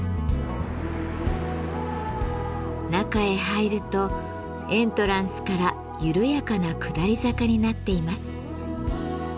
中へ入るとエントランスから緩やかな下り坂になっています。